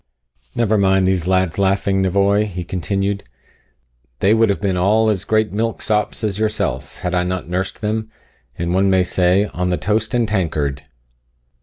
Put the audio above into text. "Never mind these lads laughing, nevoy," he continued; "they would have been all as great milksops as yourself, had I not nursed them, as one may say, on the toast and tankard."